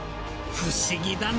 不思議だね！